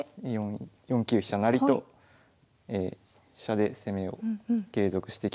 ４九飛車成と飛車で攻めを継続してきまして。